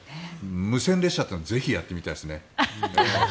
無線列車というのはぜひやってみたいですね。